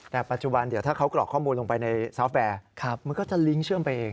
แต่ปัจจุบันเดี๋ยวถ้าเขากรอกข้อมูลลงไปในซาวแฟร์มันก็จะลิงก์เชื่อมไปเอง